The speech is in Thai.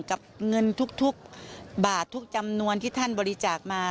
กับเงินทุกบาททุกจำนวนที่ท่านบริจาคมา